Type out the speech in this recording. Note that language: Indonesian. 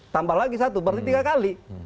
tambah lagi satu berarti tiga kali